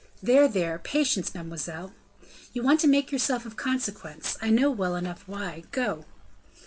"There, there. Patience, mademoiselle." "You want to make yourself of consequence; I know well enough why. Go!"